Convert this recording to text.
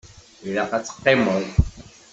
Ilaq ad teqqimeḍ.